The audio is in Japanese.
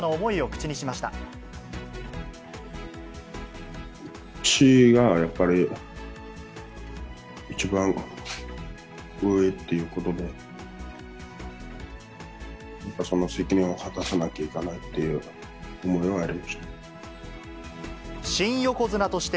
地位がやっぱり、一番上っていうことで、やっぱりその責任を果たさなきゃいけないっていう思いはありました。